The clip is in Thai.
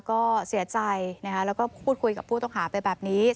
ก็เสียใจนะคะแล้วก็พูดคุยกับผู้ต้องหาไปแบบนี้